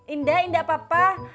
indah indah papa